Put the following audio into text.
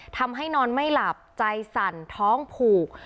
ทำให้นอนไม่หลับใจสั่นท้องผูก